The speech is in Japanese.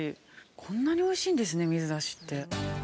こんなにおいしいんですね水出しって。